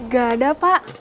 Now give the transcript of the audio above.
gak ada pak